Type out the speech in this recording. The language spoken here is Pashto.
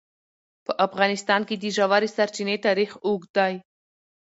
په افغانستان کې د ژورې سرچینې تاریخ اوږد دی.